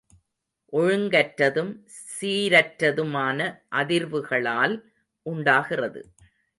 ஒழுங்கற்றதும் சீரற்றதுமான அதிர்வுகளால் உண்டாகிறது.